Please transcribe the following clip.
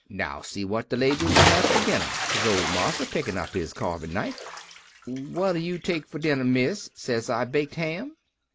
"'Now see what de ladies'll have for dinner,' says old marsa, pickin' up his caarvin' knife. "'What'll you take for dinner, miss?' says I. 'Baked ham?'